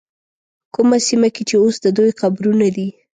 کومه سیمه کې چې اوس د دوی قبرونه دي.